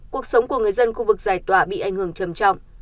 cuộc sống của người dân khu vực giải tỏa bị ảnh hưởng trầm trọng